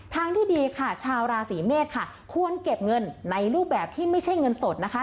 ทางที่ดีค่ะชาวราศีเมษค่ะควรเก็บเงินในรูปแบบที่ไม่ใช่เงินสดนะคะ